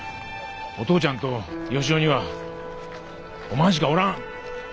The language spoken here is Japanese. お父ちゃんとヨシヲにはおまんしかおらん。